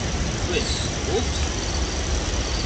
Tu esi stulbs?